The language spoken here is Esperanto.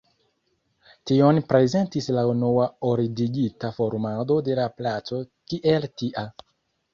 Tion prezentis la unua ordigita formado de la placo kiel tia.